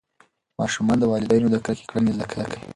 ماشومان د والدینو د کرکې کړنې زده کوي.